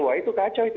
wah itu kacau itu